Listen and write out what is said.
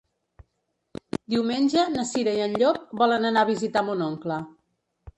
Diumenge na Cira i en Llop volen anar a visitar mon oncle.